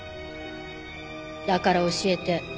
だから教えて。